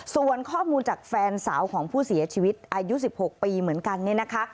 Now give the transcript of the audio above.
ส่วนข้อมูลจากแฟนสาวของผู้เสียชีวิตอายุ๑๖ปีเหมือนกันเนี่ยนะคะ